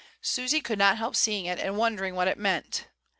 Susy could not help seeing it, and wondering what it meant.